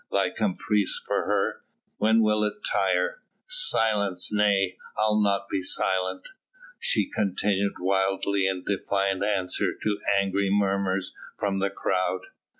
thy caprice for her when will it tire? Silence? nay! I'll not be silent," she continued wildly in defiant answer to angry murmurs from the crowd.